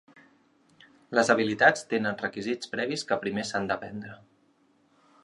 Les habilitats tenen requisits previs que primer s'han d'aprendre.